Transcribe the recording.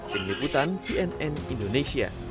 penyeliputan cnn indonesia